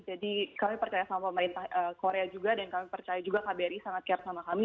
jadi kami percaya sama pemerintah korea juga dan kami percaya juga kbri sangat care sama kami